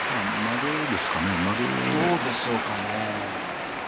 どうでしょうかね。